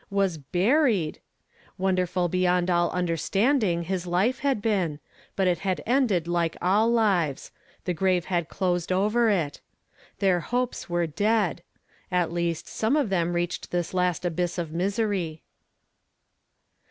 Was buried! Wonderful be yond all understanding his life had been ; but it had ended like all lives, the grave had closed over It ! Their liopes were dead. At least some of them reached this last abyss of misery.